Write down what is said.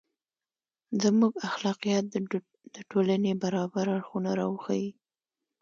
• زموږ اخلاقیات د ټولنې برابر اړخونه راوښيي.